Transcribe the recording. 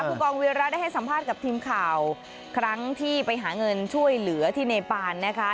ผู้กองเวียระได้ให้สัมภาษณ์กับทีมข่าวครั้งที่ไปหาเงินช่วยเหลือที่เนปานนะคะ